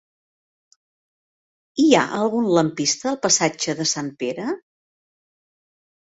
Hi ha algun lampista al passatge de Sant Pere?